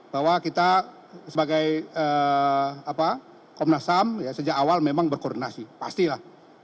bahwa kita sebagai komnas ham sejak awal memang berkoordinasi pastilah